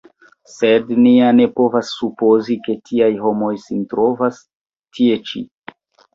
Sed, ni ja ne povas supozi, ke tiaj homoj sin trovas tie ĉi.